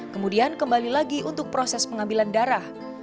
kemudian kembali lagi untuk proses pengambilan darah